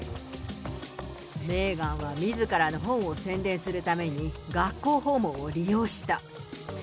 メーガンはみずからの本を宣伝するために、学校訪問を利用した。